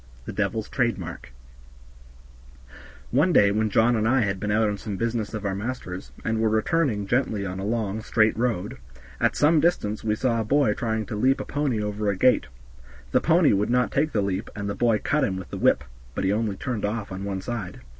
13 The Devil's Trade Mark One day when John and I had been out on some business of our master's, and were returning gently on a long, straight road, at some distance we saw a boy trying to leap a pony over a gate; the pony would not take the leap, and the boy cut him with the whip, but he only turned off on one side.